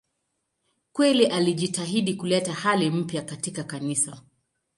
Kweli alijitahidi kuleta hali mpya katika Kanisa.